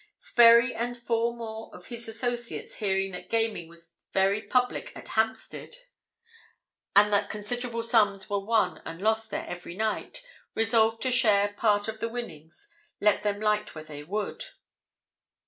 Sperry and four more of his associates hearing that gaming was very public at Hampstead, and that considerable sums were won and lost there every night, resolved to share part of the winnings, let them light where they would.